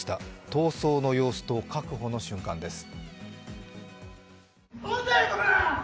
逃走の様子と確保の瞬間です。